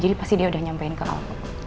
jadi pasti dia udah nyampein ke al